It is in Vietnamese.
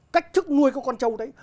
cách thức nuôi con trâu đấy